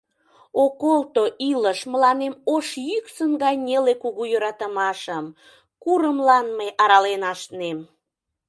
О колто, илыш, мыланем Ош йӱксын гай неле кугу йӧратымашым — Курымлан мый арален ашнем!